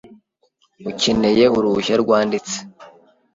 Ukeneye uruhushya rwanditse .